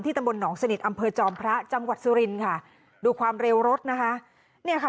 ตำบลหนองสนิทอำเภอจอมพระจังหวัดสุรินค่ะดูความเร็วรถนะคะเนี่ยค่ะ